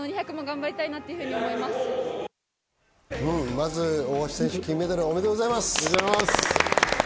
まず大橋選手、金メダルおめでとうございます。